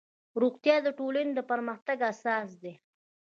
روغتیا د ټولنې د پرمختګ اساس دی